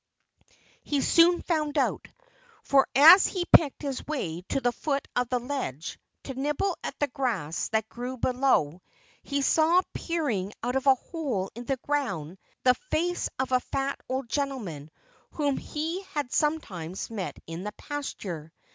He soon found out. For as he picked his way to the foot of the ledge, to nibble at the grass that grew down below, he saw peering out of a hole in the ground the face of a fat old gentleman whom he had sometimes met in the pasture.